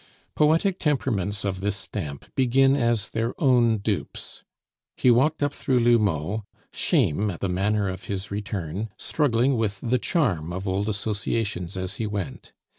Poetic temperaments of this stamp begin as their own dupes. He walked up through L'Houmeau, shame at the manner of his return struggling with the charm of old associations as he went.